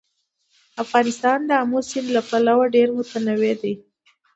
افغانستان د آمو سیند له پلوه ډېر متنوع دی.